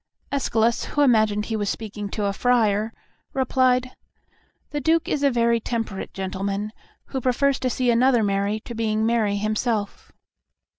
Escalus, who imagined he was speaking to a friar, replied, "The Duke is a very temperate gentleman, who prefers to see another merry to being merry himself."